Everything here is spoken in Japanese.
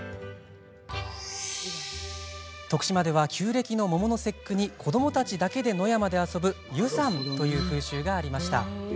徳島では、旧暦の桃の節句に子どもたちだけで野山で遊ぶ遊山という風習がありました。